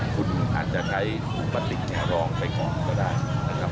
คุณอาจจะใครบรรติรองไปก่อนก็ได้นะครับ